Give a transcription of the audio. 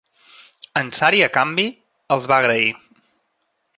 Ansari a canvi, els va agrair.